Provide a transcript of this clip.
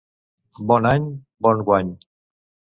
Bon any, bon guany.